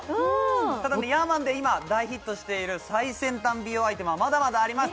ただねヤーマンで今大ヒットしている最先端美容アイテムはまだまだあります